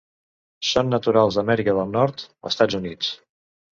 Són naturals d'Amèrica del Nord, Estats Units.